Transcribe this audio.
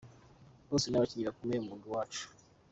Bose ni abakinyi bakomeye mu mugwi wacu.